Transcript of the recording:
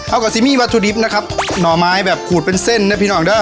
เอากอซิมี่วัตถุดิบนะครับหน่อไม้แบบขูดเป็นเส้นนะพี่น้องเด้อ